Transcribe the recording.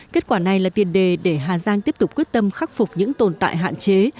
kết quả này là tiền đề để hà giang tiếp tục quyết tâm khắc phục những tồn tại hạn chế